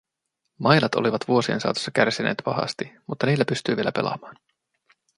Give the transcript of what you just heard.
Mailat olivat vuosien saatossa kärsineet pahasti, mutta niillä pystyi vielä pelaamaan.